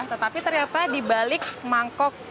tetapi ternyata dibalik mangkok